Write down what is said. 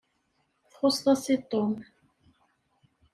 Txuṣṣeḍ-as i Tom.